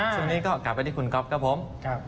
ซึ่งก็กลับไปที่คุณก๊อปครับผม